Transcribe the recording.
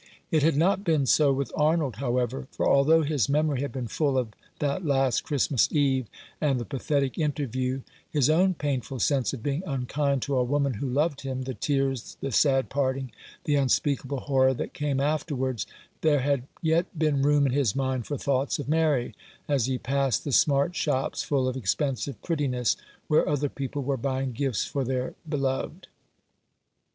It had not been so with Arnold, however ; for although his memory had been full of that last Christmas Eve, and the pathetic interview, his own painful sense of being unkind to a woman who loved him, the tears, the sad parting, the un speakable horror that came afterwards, there had yet been room in his mind for thoughts of Mary, as he passed the smart shops, full of expensive prettiness, where other people were buying gifts for their beloved.